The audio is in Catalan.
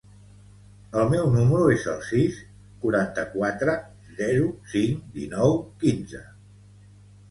El meu número es el sis, quaranta-quatre, zero, cinc, dinou, quinze.